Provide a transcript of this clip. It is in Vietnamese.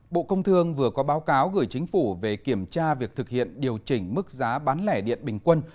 bộ công thương vừa có báo cáo gửi chính phủ về kiểm tra việc thực hiện điều chỉnh mức giá bán lẻ điện bình quân